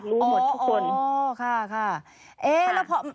รู้หมดทุกคนค่ะค่ะค่ะค่ะค่ะ